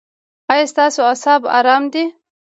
ایا ستاسو اعصاب ارام دي؟